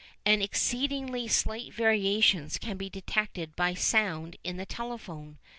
And exceedingly slight variations can be detected by sound in the telephone.